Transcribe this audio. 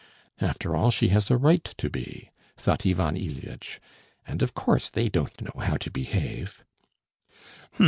"After all she has a right to be,' thought Ivan Ilyitch, 'and of course they don't know how to behave.'